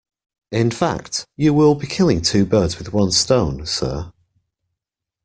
In fact, you will be killing two birds with one stone, sir.